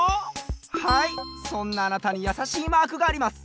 はいそんなあなたにやさしいマークがあります。